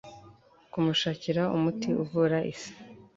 kumushakira umuti umuvura ise